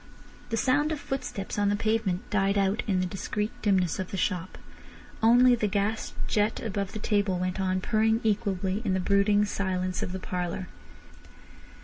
The sound of footsteps on the pavement died out in the discreet dimness of the shop. Only the gas jet above the table went on purring equably in the brooding silence of the parlour.